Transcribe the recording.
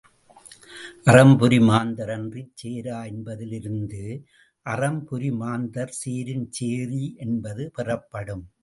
அறம்புரி மாந்தர் அன்றிச் சேரா என்பதிலிருந்து, அறம்புரி மாந்தர் சேரும்சேரி என்பது பெறப்படும்.